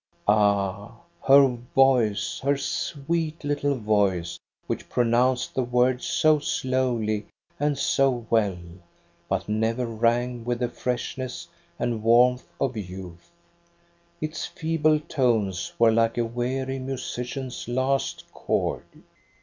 Ah, her voice, her sweet little voice, which pro nounced the words so slowly and so well, but never rang with the freshness and warmth of youth, — its feeble tones were like a weary musician's last chord.